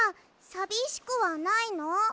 さびしくはないの？